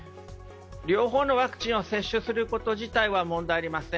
両方のワクチンを接種すること自体は問題ありません。